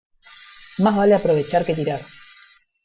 Más vale aprovechar que tirar.